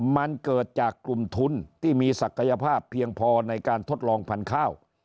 มันเกิดจากกลุ่มทุนที่มีศักยภาพเพียงพอในการทดลองพันธุ์ข้าว